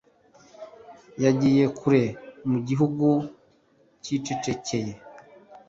yagiye kure mu gihugu cyicecekeye